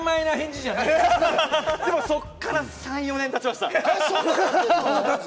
そこから３４年経ちました。